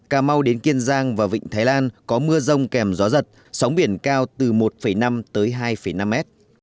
cà mau đến kiên giang và vịnh thái lan có mưa rông kèm gió giật sóng biển cao từ một năm tới hai năm mét